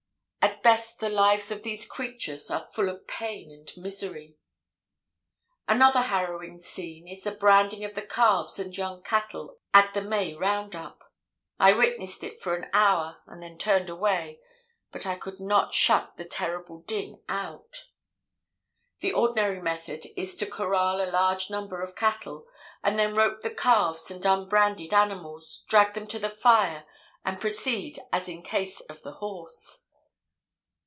At best the lives of these creatures are full of pain and misery. "Another harrowing scene is the branding of the calves and young cattle at the May 'round up.' I witnessed it for an hour and then turned away, but I could not shut the terrible din out. "The ordinary method is to corral a large number of cattle, and then rope the calves and unbranded animals, drag them to the fire and proceed as in case of the horse.